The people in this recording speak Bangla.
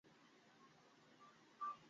লোকটা চাচ্ছে আমি যেন দুনিয়াটাকেই হ্যাক করি!